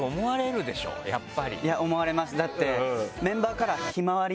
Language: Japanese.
いや思われますだって。